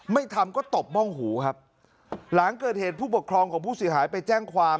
ไม่ทำก็ตบม่องหูครับหลังเกิดเหตุผู้ปกครองของผู้เสียหายไปแจ้งความ